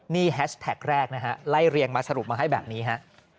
นี่แฮชแท็กแรกนะฮะไล่เรียงมาสรุปมาให้แบบนี้ฮะ